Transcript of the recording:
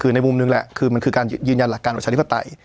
คือในมุมนึงและคือมันคือการยืนยันหลักการรัฐชาติริเวษไตร